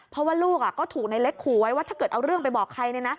เพราะว่าลูกก็ถูกในเล็กขู่ไว้ว่าถ้าเกิดเอาเรื่องไปบอกใคร